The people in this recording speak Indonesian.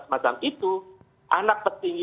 semacam itu anak petinggi